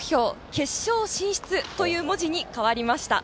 「決勝進出」という文字に変わりました。